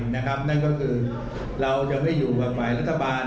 นั่นก็คือเราจะไม่อยู่กับฝ่ายรัฐบาล